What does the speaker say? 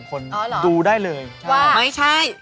อ๋อเหรอดูได้เลยว่าไม่ใช่